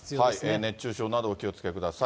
熱中症などお気をつけください。